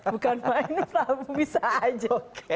bukan main bisa saja